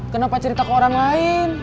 kenapa ceritaku orang lain